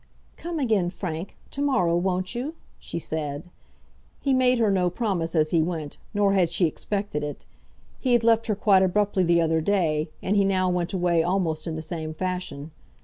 "Come again, Frank, to morrow, won't you?" she said. He made her no promise as he went, nor had she expected it. He had left her quite abruptly the other day, and he now went away almost in the same fashion.